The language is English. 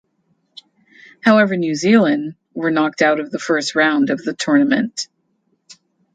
However New Zealand were knocked out of the first round of the tournament.